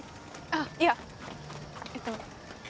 あっいやえっと